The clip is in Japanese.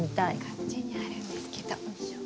こっちにあるんですけど。